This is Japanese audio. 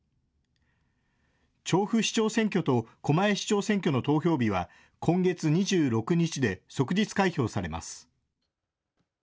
調布市長選挙と狛江市長選挙の投票日は今月２６日で即日開票されます。